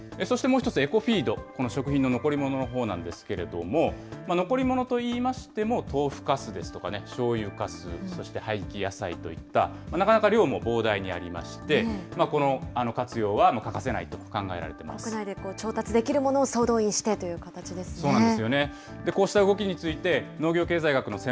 そしてもう一つ、エコフィード、この食品の残り物のほうなんですけれども、残り物といいましても、豆腐かすですとか、しょうゆかす、そして廃棄野菜といった、なかなか量も膨大にありまして、この活用は欠かせないと考えられていま国内で調達できるものを総動そうなんですよね。